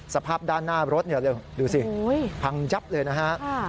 สภาพด้านหน้ารถดูสิพังยับเลยนะฮะ